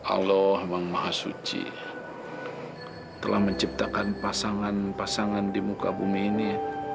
allah emang mahasuci telah menciptakan pasangan pasangan di muka bumi ini